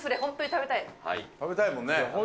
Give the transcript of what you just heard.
食べたいもんね。